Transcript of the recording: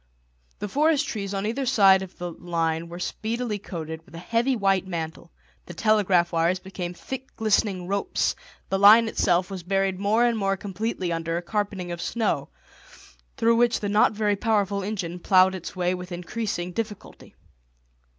The forest trees on either side of the line were speedily coated with a heavy white mantle, the telegraph wires became thick glistening ropes, the line itself was buried more and more completely under a carpeting of snow, through which the not very powerful engine ploughed its way with increasing difficulty.